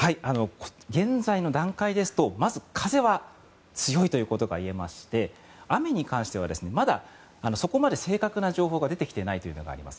現在の段階ですとまず風は強いといえまして雨に関してはまだそこまで正確な情報が出てきていないというのがあります。